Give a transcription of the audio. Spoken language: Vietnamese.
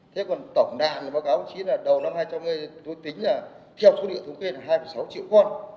thế còn tổng đàn thì báo cáo của đồng chí là đầu năm hai nghìn hai mươi tôi tính là theo số liệu thống kê là hai mươi sáu triệu con